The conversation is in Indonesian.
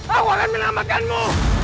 aku akan menamatkanmu